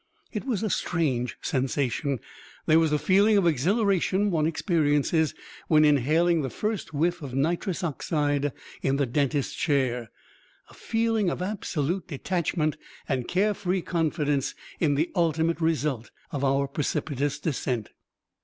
It was a strange sensation: there was the feeling of exhilaration one experiences when inhaling the first whiff of nitrous oxide in the dentist's chair a feeling of absolute detachment and care free confidence in the ultimate result of our precipitous descent.